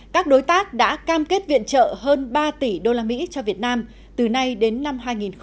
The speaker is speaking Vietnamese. các đối tác đã cam kết viện trợ hơn ba tỷ usd cho việt nam từ nay đến năm hai nghìn hai mươi